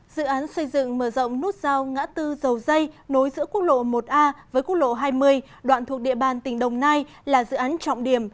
dự án xây dựng mở rộng nút giao ngã tư dầu dây nối giữa quốc lộ một a với quốc lộ hai mươi đoạn thuộc địa bàn tỉnh đồng nai là dự án trọng điểm